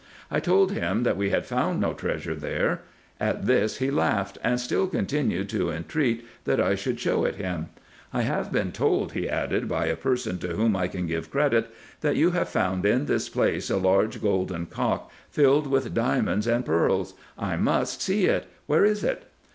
I told him that we had found no treasure there. At this he laughed, and still continued to entreat, that I would show it him. " I have been told," he added, " by a person to whom I can give credit, that you have found in this place a large golden cock, filled with diamonds and pearls. I must see it. Where is it